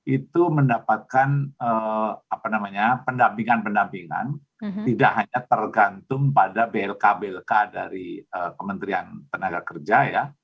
itu mendapatkan pendampingan pendampingan tidak hanya tergantung pada blk blk dari kementerian tenaga kerja ya